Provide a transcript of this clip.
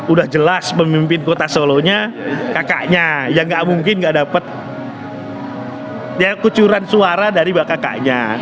udah jelas pemimpin kota solonya kakaknya yang gak mungkin nggak dapat kucuran suara dari kakaknya